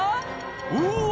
うわ！